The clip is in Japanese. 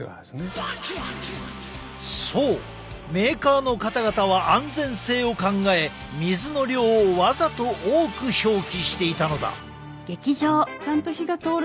そうメーカーの方々は安全性を考え水の量をわざと多く表記していたのだ。